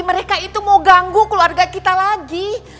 mereka itu mau ganggu keluarga kita lagi